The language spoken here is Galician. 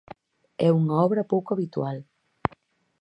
É unha obra pouco habitual.